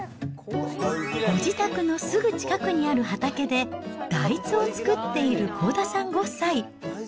ご自宅のすぐ近くにある畑で大豆を作っている幸田さんご夫妻。